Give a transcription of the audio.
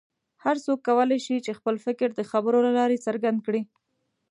هر څوک کولی شي چې خپل فکر د خبرو له لارې څرګند کړي.